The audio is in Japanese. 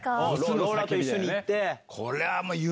ローラと一緒に行って。